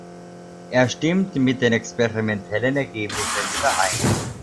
Er stimmt mit den experimentellen Ergebnissen überein.